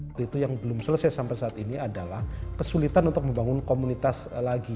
waktu itu yang belum selesai sampai saat ini adalah kesulitan untuk membangun komunitas lagi